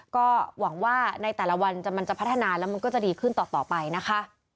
ก็หวังว่าในแต่ละวันมันจะพัฒนาแล้วมันก็จะดีขึ้นต่อไปนะคะ